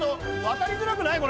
渡りづらくない？